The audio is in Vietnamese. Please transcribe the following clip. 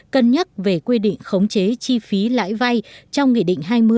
cân nhắc về quy định khống chế chi phí lãi vay trong nghị định hai mươi